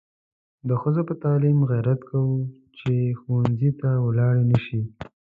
د ښځو پر تعلیم غیرت کوو چې ښوونځي ته ولاړې نشي.